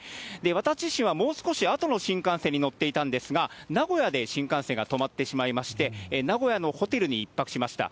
私自身は、もう少しあとの新幹線に乗っていたんですが、名古屋で新幹線が止まってしまいまして、名古屋のホテルに１泊しました。